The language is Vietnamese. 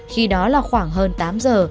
khi đó là khoảng hơn tám giờ